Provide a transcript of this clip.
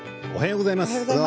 おはようございます。